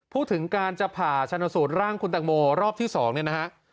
พูดถึงการจะผ่าชนสูตรร่างคุณตังโมรอบที่๒เนี่ยนะฮะ